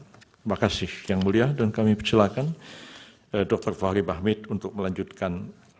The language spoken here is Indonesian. terima kasih yang mulia dan kami persilahkan dr fahri bahmid untuk melanjutkan